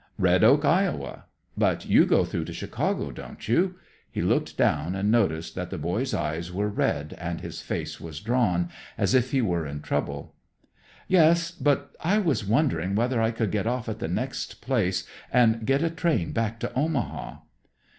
"Red Oak, Iowa. But you go through to Chicago, don't you?" He looked down, and noticed that the boy's eyes were red and his face was drawn, as if he were in trouble. "Yes. But I was wondering whether I could get off at the next place and get a train back to Omaha."